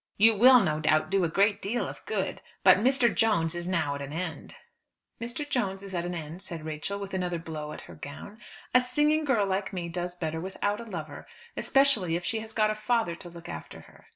"You will no doubt do a great deal of good. But Mr. Jones is now at an end." "Mr. Jones is at an end," said Rachel, with another blow at her gown. "A singing girl like me does better without a lover, especially if she has got a father to look after her."